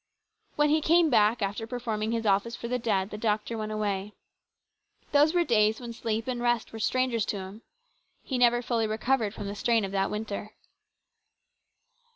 When he came back, after performing his office for the dead, the doctor went away. Those were days when sleep and rest were strangers to him. He never fully recovered from the terrible strain of that winter.